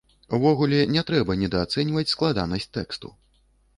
Увогуле не трэба недаацэньваць складанасць тэксту.